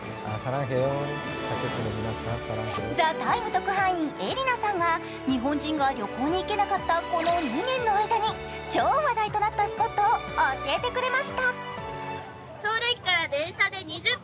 特派員ＥＲＩＮＡさんが、日本人が旅行に行けなかったこの２年の間に超話題となったスポットを教えてくれました。